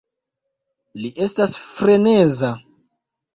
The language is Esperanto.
Li estas freneza